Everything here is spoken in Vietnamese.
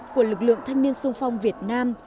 của lực lượng thanh niên xu phong việt nam